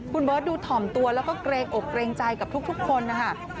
คุณเบิร์ตดูถ่อมตัวแล้วก็เกรงอกเกรงใจกับทุกคนนะคะ